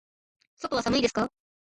外は寒いですか。